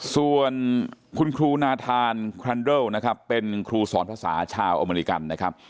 ส่วนคุณครูนาธานครันเดิลนะครับเป็นครูสอนภาษาชาวอเมริกันนะครับ